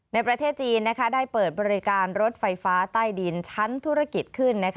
ในประเทศจีนได้เปิดบริการรถไฟฟ้าใต้ดินชั้นธุรกิจขึ้น